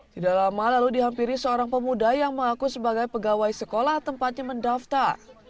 tidak lama lalu dihampiri seorang pemuda yang mengaku sebagai pegawai sekolah tempatnya mendaftar